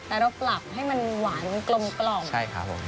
แต่เราปรับให้มันหวานกลมกล่อมใช่ครับผม